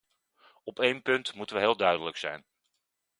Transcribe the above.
Op één punt moeten we heel duidelijk zijn.